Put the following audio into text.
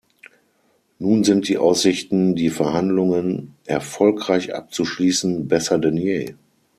Nun sind die Aussichten, die Verhandlungen erfolgreich abzuschließen, besser denn je.